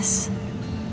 besok saya jemput kamu